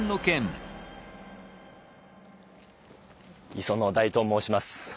磯野大と申します。